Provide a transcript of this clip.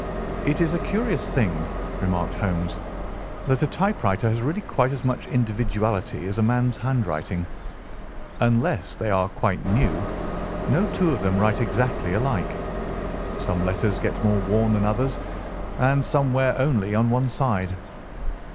"It is a curious thing," remarked Holmes, "that a typewriter has really quite as much individuality as a man's handwriting. Unless they are quite new, no two of them write exactly alike. Some letters get more worn than others, and some wear only on one side.